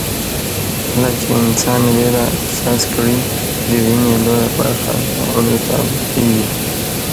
کله چې انسان وېره احساس کړي د وينې لويه برخه غړو ته بهېږي.